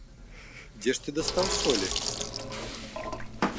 Дзе ж ты дастаў солі?